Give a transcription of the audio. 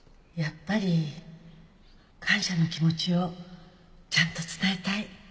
やっぱり感謝の気持ちをちゃんと伝えたい。